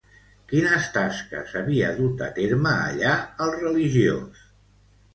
Quines tasques havia dut a terme allà el religiós?